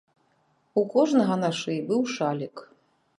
У кожнага на шыі быў шалік.